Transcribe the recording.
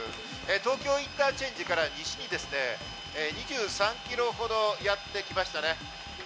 東京インターチェンジから西に２３キロほどやってきましたね。